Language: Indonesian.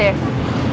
aku mau pacar